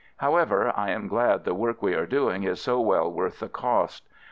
However, I am glad the work we are doing is so well worth the cost.